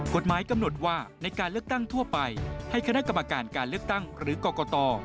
กฎหมายกำหนดว่าในการเลือกตั้งทั่วไปให้คณะกรรมการการเลือกตั้งหรือกรกต